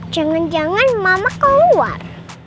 jangan jangan mama keluar